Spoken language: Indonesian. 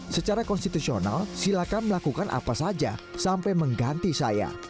secara konstitusional silakan melakukan apa saja sampai mengganti saya